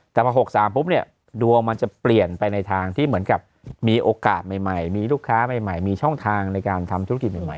แต่พอ๖๓ปุ๊บเนี่ยดวงมันจะเปลี่ยนไปในทางที่เหมือนกับมีโอกาสใหม่มีลูกค้าใหม่มีช่องทางในการทำธุรกิจใหม่